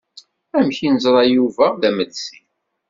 Amek i neẓra Yuba d amelsi?